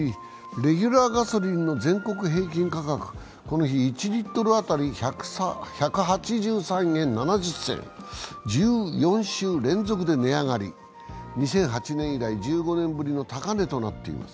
レギュラーガソリンの全国平均価格、この日、１リットル当たり１３８円７０銭と１４週連続で値上がり、２００８年以来１５年ぶりの高値となっています。